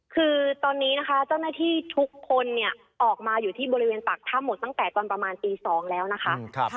คือตอนนี้นะคะเจ้าหน้าที่ทุกคนเนี่ยออกมาอยู่ที่บริเวณปากถ้ำหมดตั้งแต่ตอนประมาณตี๒แล้วนะคะ